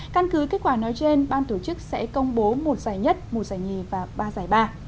căn cứ kết quả nói trên ban tổ chức sẽ công bố một giải nhất một giải nhì và ba giải ba